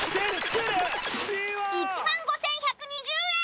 １万５，１２０円。